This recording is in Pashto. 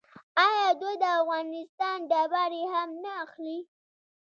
آیا دوی د افغانستان ډبرې هم نه اخلي؟